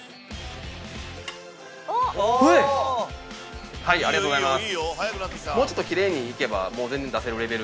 しかしありがとうございます。